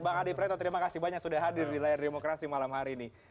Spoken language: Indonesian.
bang adi preto terima kasih banyak sudah hadir di layar demokrasi malam hari ini